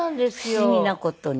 不思議な事に。